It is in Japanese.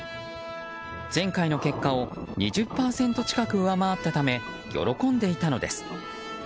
前回の結果を２０％近く上回ったため喜んでいたのです。